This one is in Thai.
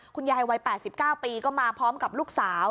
คุณยายวัย๘๙ปีก็มาพร้อมกับลูกสาว